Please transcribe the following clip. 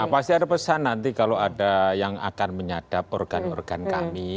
nah pasti ada pesan nanti kalau ada yang akan menyadap organ organ kami